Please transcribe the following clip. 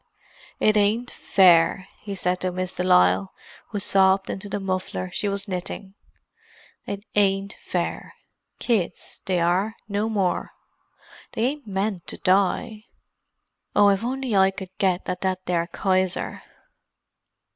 "It ain't fair," he said to Miss de Lisle, who sobbed into the muffler she was knitting. "It ain't fair. Kids, they are—no more. They ain't meant to die. Oh, if I could only get at that there Kayser!"